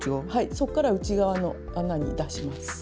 そっから内側の穴に出します。